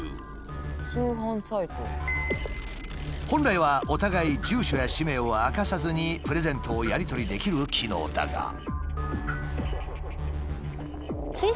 本来はお互い住所や氏名を明かさずにプレゼントをやり取りできる機能だが。